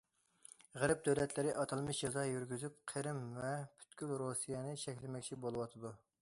غەرب دۆلەتلىرى ئاتالمىش جازا يۈرگۈزۈپ، قىرىم ۋە پۈتكۈل رۇسىيەنى چەكلىمەكچى بولۇۋاتىدۇ.